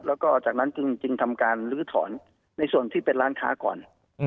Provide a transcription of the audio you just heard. แล้วก็จากนั้นจึงทำการลื้อถอนในส่วนที่เป็นร้านค้าก่อน